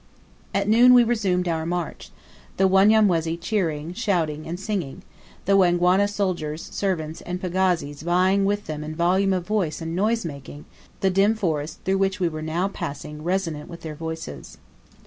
At noon we resumed our march, the Wanyamwezi cheering, shouting, and singing, the Wangwana soldiers, servants, and pagazis vieing with them in volume of voice and noise making the dim forest through which we were now passing resonant with their voices.